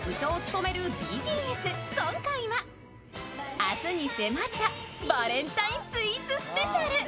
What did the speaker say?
明日に迫ったバレンタインスイーツスペシャル。